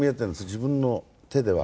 自分の手では。